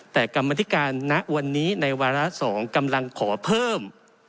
แต่กรรมธิการณวันนี้ในวาระ๒กำลังขอเพิ่ม